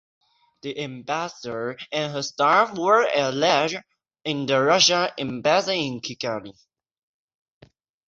The ambassador and her staff work at large in the Russian embassy in Kigali.